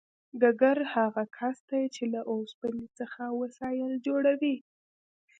ګګر هغه کس دی چې له اوسپنې څخه وسایل جوړوي